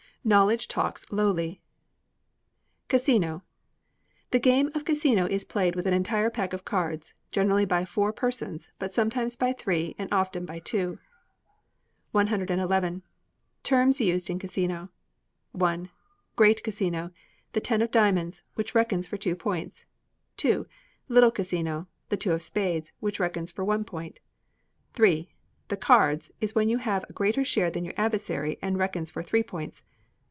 [KNOWLEDGE TALKS LOWLY] 110. Cassino. The game of cassino is played with an entire pack of cards, generally by four persons, but sometimes by three, and often by two. 111. Terms used in Cassino. i. Great Cassino, the ten of diamonds, which reckons for two points. ii. Little Cassino, the two of spades, which reckons for one point. iii. The Cards is when you have a greater share than your adversary, and reckons for three points.